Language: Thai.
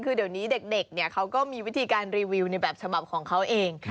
คือเดี๋ยวนี้เด็กเขาก็มีวิธีการรีวิวในแบบฉบับของเขาเอง